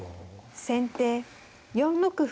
先手４六歩。